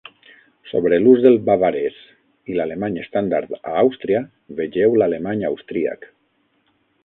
Sobre l'ús del bavarès i l'alemany estàndard a Àustria "vegeu" l'alemany austríac.